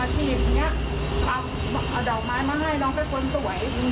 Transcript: เอาดอกไม้มาให้น้องเป็นคนสวย